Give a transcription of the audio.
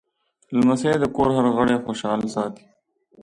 لمسی د کور هر غړی خوشحال ساتي.